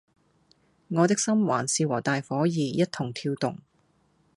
我的心還是和大夥兒一同跳動